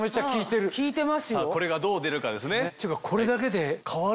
これがどう出るかですね。